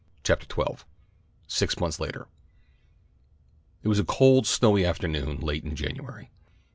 CHAPTER XII SIX MONTHS LATER IT was a cold snowy afternoon, late in January.